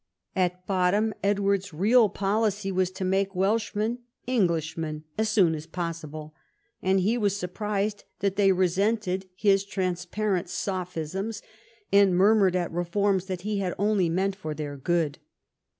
At bottom Edward's real policy was to make Welshmen Englishmen as soon as possible, and he was surprised that they resented his trans parent sophisms, and murmured at reforms that he had only meant for their good.